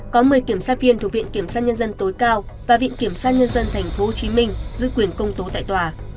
có một mươi kiểm soát viên thuộc viện kiểm soát nhân dân tối cao và viện kiểm soát nhân dân tp hcm giữ quyền công tố tại tòa